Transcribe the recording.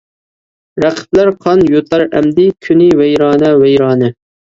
رەقىبلەر قان يۇتار ئەمدى، كۈنى ۋەيرانە-ۋەيرانە.